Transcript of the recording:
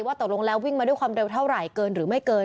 ตกลงแล้ววิ่งมาด้วยความเร็วเท่าไหร่เกินหรือไม่เกิน